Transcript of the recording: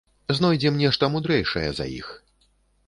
Знойдзем нешта мудрэйшае за іх.